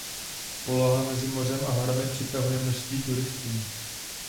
Poloha mezi mořem a horami přitahuje množství turistů.